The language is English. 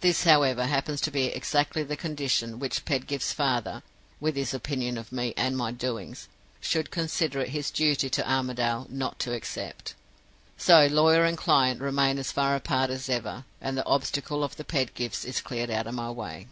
This, however, happens to be exactly the condition which Pedgift's father with his opinion of me and my doings should consider it his duty to Armadale not to accept. So lawyer and client remain as far apart as ever, and the obstacle of the Pedgifts is cleared out of my way.